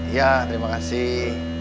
iya terima kasih